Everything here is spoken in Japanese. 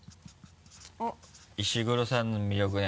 石黒さんの魅力ね。